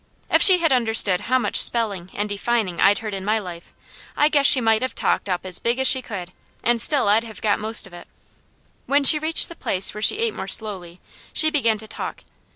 If she had understood how much spelling and defining I'd heard in my life, I guess she might have talked up as big as she could, and still I'd have got most of it. When she reached the place where she ate more slowly, she began to talk.